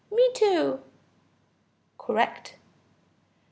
Me too (correct).